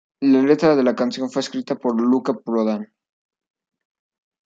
La letra de la canción fue escrita por Luca Prodan.